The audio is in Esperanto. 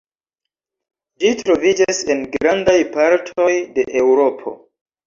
Ĝi troviĝas en grandaj partoj de Eŭropo.